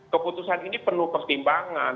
keputusan ini penuh pertimbangan